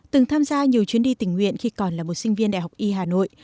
từng tham gia nhiều chuyến đi tình nguyện khi còn là một sinh viên đại học y hà nội